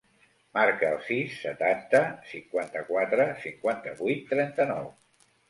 Marca el sis, setanta, cinquanta-quatre, cinquanta-vuit, trenta-nou.